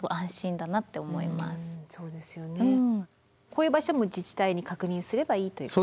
こういう場所も自治体に確認すればいいという。